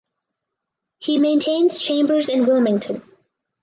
He maintains chambers in Wilmington.